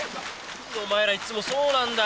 何でお前らいつもそうなんだよ。